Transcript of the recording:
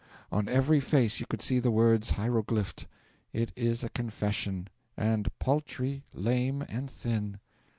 On every face you could see the words hieroglyphed: "It is a confession! and paltry, lame, and thin."